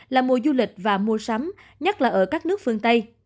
là mùa du lịch và mua sắm nhất là ở các nước phương tây